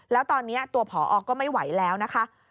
แล้วตอนนี้ตัวผอก็ไม่ไหวแล้วนะคะ